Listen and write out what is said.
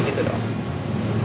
ya gitu dong